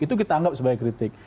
itu kita anggap sebagai kritik